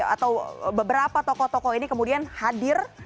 atau beberapa toko toko ini kemudian hadir